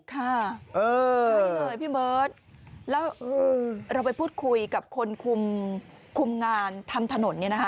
ค่ะนี่เลยพี่เบิร์ตแล้วเราไปพูดคุยกับคนคุมงานทำถนนเนี่ยนะคะ